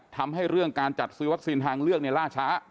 ทำให้เรื่องการจัดซื้อวัคซีนทางเลือกล่าช้า